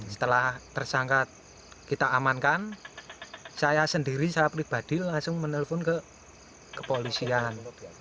setelah tersangka kita amankan saya sendiri saya pribadi langsung menelpon ke kepolisian